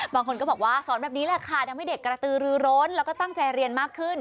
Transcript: บางคนก็บอกว่าสอนแบบนี้แหละค่ะทำให้เด็กกระตือรือร้นแล้วก็ตั้งใจเรียนมากขึ้น